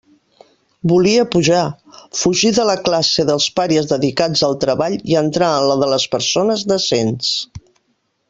Volia pujar, fugir de la classe dels pàries dedicats al treball i entrar en la de les «persones decents».